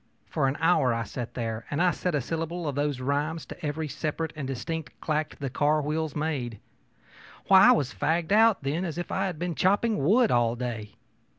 For an hour I sat there and set a syllable of those rhymes to every separate and distinct clack the car wheels made. Why, I was as fagged out, then, as if I had been chopping wood all day.